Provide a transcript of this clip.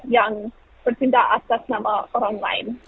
yang bertindak atas nama orang lain